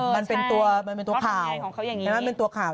มันเป็นตัวข่าวมันเป็นตัวข่าว